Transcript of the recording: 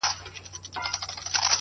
• اوړی تېر سو لا غنم مو نه پخېږي..